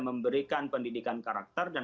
memberikan pendidikan karakter dan